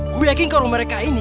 gue yakin kalau mereka ini